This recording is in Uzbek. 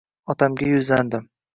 otamga yuzlandim.